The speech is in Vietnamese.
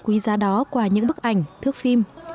quý giá đó qua những bức ảnh thước phim